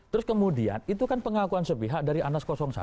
terus kemudian itu kan pengakuan sepihak dari anas satu